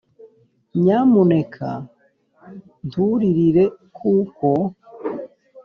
nyamuneka nturirire, kuko